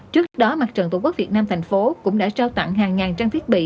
trước đó mặt trận tổ quốc việt nam tp hcm cũng đã trao tặng hàng ngàn trang thiết bị